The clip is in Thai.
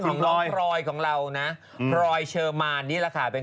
โอลี่คัมรี่ยากที่ใครจะตามทันโอลี่คัมรี่ยากที่ใครจะตามทัน